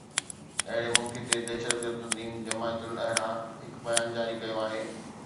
اهڙي موقعي تي دهشتگرد تنظيم جماعت الاحرار هڪ بيان جاري ڪيو آهي